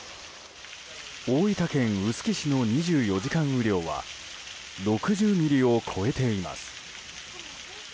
大分県臼杵市の２４時間雨量は６０ミリを超えています。